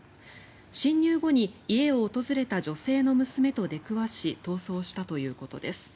侵入後に家を訪れた女性の娘と出くわし逃走したということです。